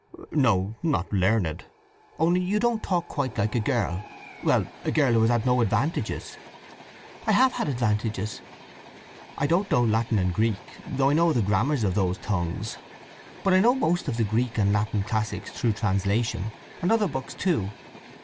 "No—not learned. Only you don't talk quite like a girl—well, a girl who has had no advantages." "I have had advantages. I don't know Latin and Greek, though I know the grammars of those tongues. But I know most of the Greek and Latin classics through translations, and other books too.